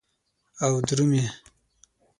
او درومې